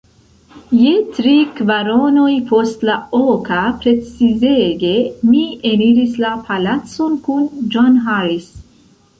Je tri kvaronoj post la oka, precizege, mi eniris la palacon kun John Harris.